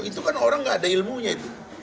itu kan orang gak ada ilmunya itu